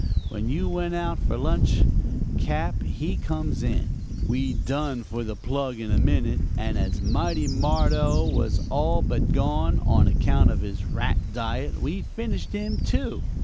When you went out for lunch Cap. he comes in. We done for the plug in a minute, and as Mighty Marda was all but gone, on account of his rat diet, we finished him, too.